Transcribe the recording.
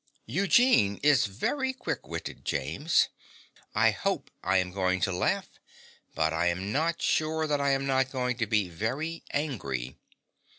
Eugene is very quick witted, James. I hope I am going to laugh; but I am not sure that I am not going to be very angry.